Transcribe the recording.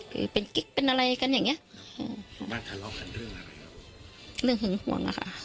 คือเป็นกิ๊กเป็นอะไรกันอย่างเงี้ยเรื่องห่วงอ่ะค่ะ